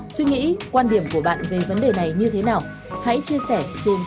suy nghĩ quan điểm của bạn về vấn đề này như thế nào hãy chia sẻ trên